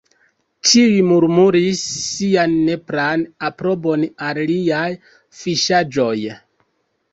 Ĉiuj murmuris sian nepran aprobon al liaj fiŝaĵoj.